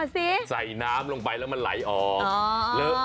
ใส่น้ำลงไปมันไหลออก